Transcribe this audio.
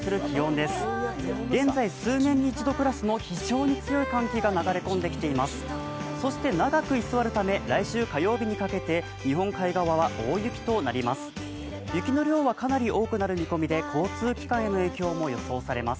そして、長く居座るため、来週火曜日にかけて日本海側は大雪となります。